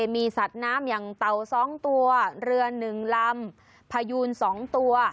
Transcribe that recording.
มีสัตว์น้ำอย่างเต่า๒ตัวเรือ๑ลำพยูน๒ตัว